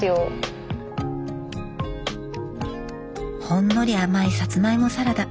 ほんのり甘いさつまいもサラダ。